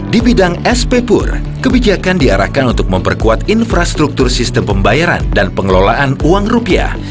di bidang sppur kebijakan diarahkan untuk memperkuat infrastruktur sistem pembayaran dan pengelolaan uang rupiah